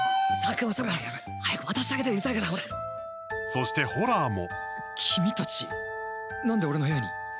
そして、ホラーも。